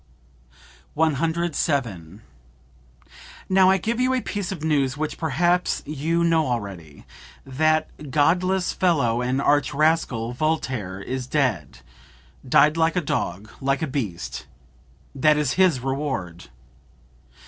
"Now I give you a piece of news which perhaps you know already; that godless fellow and arch rascal, Voltaire, is dead died like a dog, like a beast. That is his reward!"